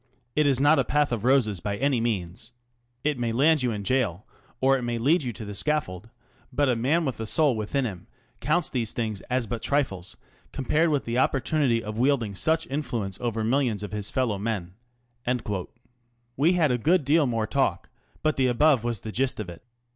" It is not a path of roses by any means. It may land you in gaol, or it may lead you to the scaffold ; but a man with a soul within him counts these things as but trifles compared with the opportunity of wielding such influence over millions of his fellow men." We had a good deal more talk, but the above was the gist of it.